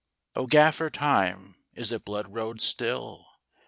" O Gaffer Time, is it blood road still?